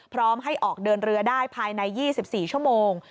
พร้อมให้ออกเดินเรือได้ภายใน๒๔ชั่วโมง